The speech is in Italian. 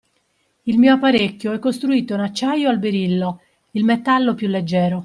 Il mio apparecchio è costruito in acciaio al berillo, il metallo più leggero